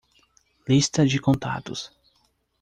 Lista de contatos.